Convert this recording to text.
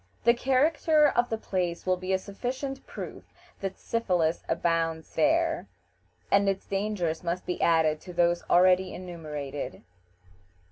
The character of the place will be a sufficient proof that syphilis abounds there, and its dangers must be added to those already enumerated.